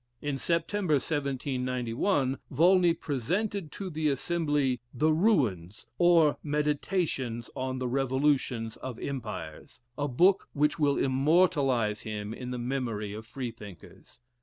In September, 1791, Volney presented to the Assembly "The Ruins, or Meditations on the Revolutions of Empires," a book which will immortalize him in the memory of Freethinkers.